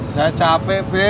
saya capek be